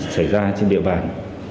xảy ra trên địa bàn